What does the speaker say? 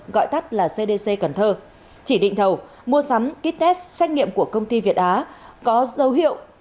gọi tắt là cdc cần thơ chỉ định thầu mua sắm kites xét nghiệm của công ty việt á có dấu hiệu